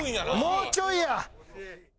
もうちょいや。